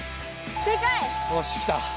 おしきた！